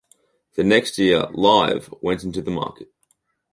The next year, “Live” went into the market.